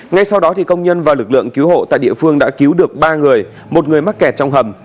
ngay sau đó công nhân và lực lượng cứu hộ tại địa phương đã cứu được ba người một người mắc kẹt trong hầm